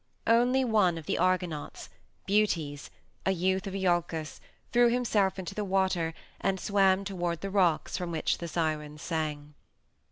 Only one of the Argonauts, Butes, a youth of Iolcus, threw himself into the water and swam toward the rocks from which the Sirens sang.